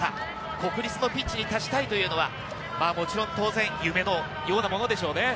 国立のピッチに立ちたいというのは、もちろん当然、夢のようなものでしょうね。